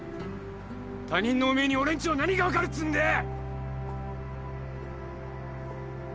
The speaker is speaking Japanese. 他人のおめえに俺んちの何が分かるっつうんだよ！